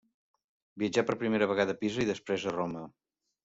Viatjà per primera vegada a Pisa, i després a Roma.